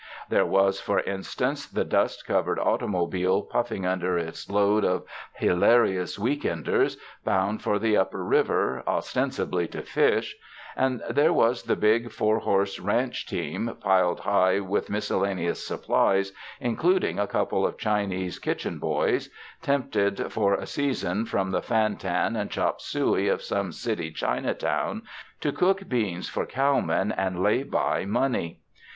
There was, for instance, the dust covered automobile puffing under its load of hilarious week enders, bound for the upper river ostensibly to fish ; and there was the big four horse ranch team, piled high with miscel laneous supplies, including a couple of Chinese kitchen "boys," tempted for a season from the fan tan and chop suey of some city Chinatown, to cook beans for cowmen and lay by money.